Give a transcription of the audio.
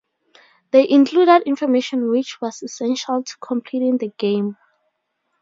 They included information which was essential to completing the game.